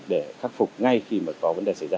để khắc phục ngay khi mà có vấn đề xảy ra